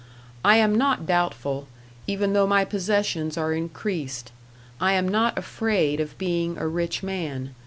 I am not doubtful, even though my possessions are increased. I am not afraid of being a rich man.